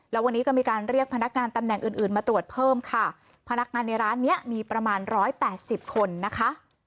แล้ววันนี้ก็มีการเรียกพนักงานตำแหน่งอื่นอื่นมาตรวจเพิ่มค่ะพนักงานในร้านเนี้ยมีประมาณร้อยแปดสิบคนนะคะ